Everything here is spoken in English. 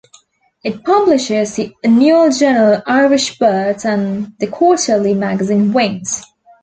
It publishes the annual journal "Irish Birds" and the quarterly magazine "Wings".